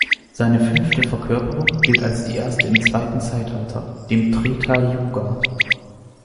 Seine fünfte Verkörperung gilt als die erste im zweiten Zeitalter, dem "Treta-Yuga".